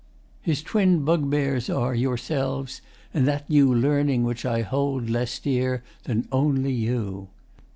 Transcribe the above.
] His twin bug bears are Yourselves and that New Learning which I hold Less dear than only you.